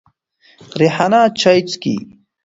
ریحانه چای څکې.